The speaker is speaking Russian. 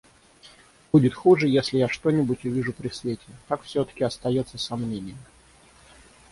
Будет хуже, если я что-нибудь увижу при свете, — так все-таки остается сомнение.